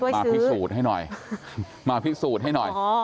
มาพิสูจน์ให้หน่อยมาพิสูจน์ให้หน่อย